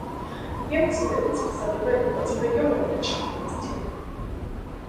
Hier müssen wir insbesondere in unsere jungen Menschen investieren.